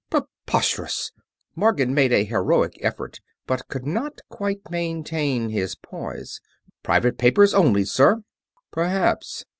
Preposterous!" Morgan made a heroic effort, but could not quite maintain his poise. "Private papers only, sir!" "Perhaps.